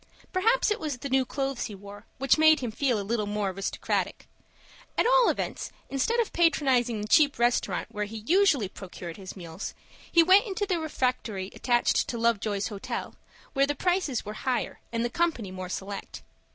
Perhaps it was the new clothes he wore, which made him feel a little more aristocratic. At all events, instead of patronizing the cheap restaurant where he usually procured his meals, he went into the refectory attached to Lovejoy's Hotel, where the prices were higher and the company more select.